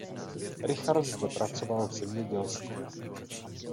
Richard zde pracoval v zemědělství.